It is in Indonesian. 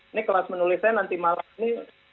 ini kelas menulisnya nanti malam ini